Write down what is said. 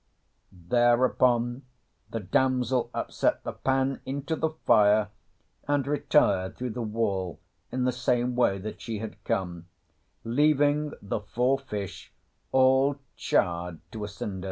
Thereupon the damsel upset the pan into the fire and retired through the wall in the same way that she had come, leaving the four fish all charred to a cinder.